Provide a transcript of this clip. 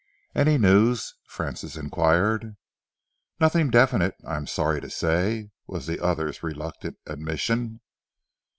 "Any news?" Francis enquired. "Nothing definite, I am sorry, to say," was the other's reluctant admission.